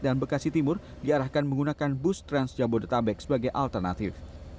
dan bekasi timur diarahkan menggunakan bus trans jabodetabek sebagai alternatif